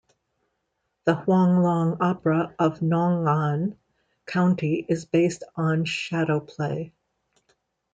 The Huanglong opera of Nong'an County is based on shadow play.